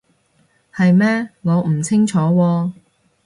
係咩？我唔清楚喎